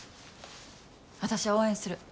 私は応援する。